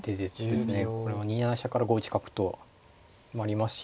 これは２七飛車から５一角ともありますし